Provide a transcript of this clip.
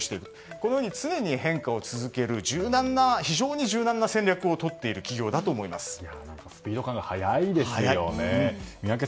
このように常に変化を続ける非常に柔軟な戦略をとっているスピード感が早いですよね。